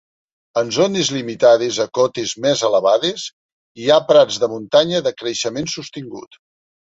En zones limitades a cotes més elevades, hi ha prats de muntanya de creixement sostingut.